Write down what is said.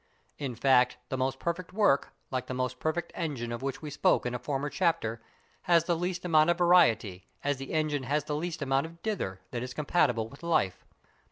In fact, the most perfect work, like the most perfect engine of which we spoke in a former chapter, has the least amount of variety, as the engine has the least amount of "dither," that is compatible with life.